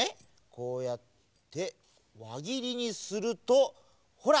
こうやってわぎりにするとほら！